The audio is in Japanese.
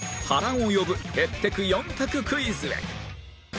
波乱を呼ぶへってく４択クイズへ